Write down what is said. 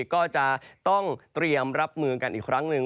ก็จะต้องเตรียมรับมือกันอีกครั้งหนึ่ง